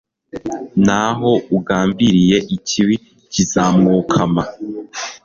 naho ugambiriye ikibi kizamwokama